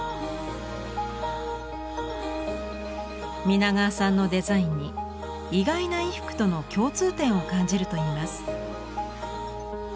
皆川さんのデザインに意外な衣服との共通点を感じるといいます。